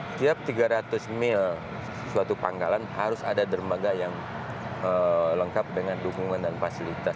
setiap tiga ratus mil suatu pangkalan harus ada dermaga yang lengkap dengan dukungan dan fasilitas